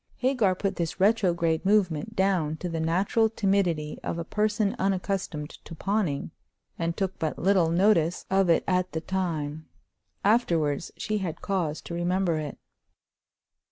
Hagar put this retrograde movement down to the natural timidity of a person unaccustomed to pawning, and took but little notice of it at the time. Afterwards she had cause to remember it.